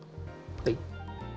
はい。